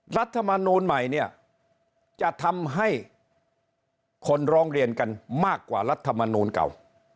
รัฐมนูลใหม่เนี่ยจะทำให้คนร้องเรียนกันมากกว่ารัฐมนูลเก่า